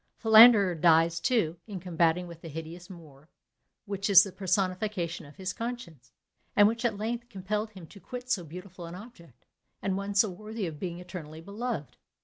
Philander dies too, in combating with a hideous Moor, which is the personification of his conscience, and which at length compelled him to quit so beautiful an object, and one so worthy of being eternally beloved.